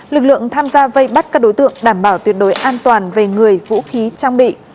lực lượng tham gia vây bắt các đối tượng đảm bảo tuyệt đối an toàn về người vũ khí trang bị